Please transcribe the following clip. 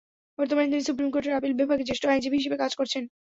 বর্তমানে তিনি সুপ্রিম কোর্টের আপিল বিভাগে জ্যেষ্ঠ আইনজীবী হিসেবে কাজ করছেন।